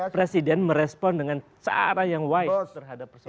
presiden merespon dengan cara yang wise